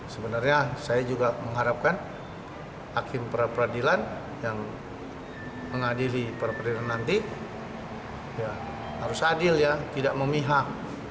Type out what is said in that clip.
sebenarnya saya juga mengharapkan hakim peradilan yang mengadili peradilan nanti harus adil ya tidak memihak